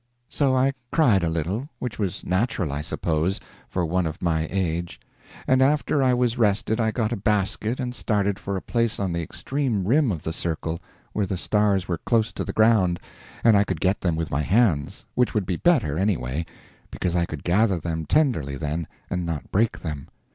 So I cried a little, which was natural, I suppose, for one of my age, and after I was rested I got a basket and started for a place on the extreme rim of the circle, where the stars were close to the ground and I could get them with my hands, which would be better, anyway, because I could gather them tenderly then, and not break them.